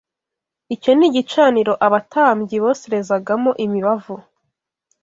Icyo ni igicaniro abatambyi boserezagamo imibavu